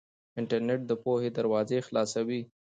انټرنيټ د پوهې دروازې خلاصوي.